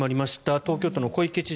東京都の小池知事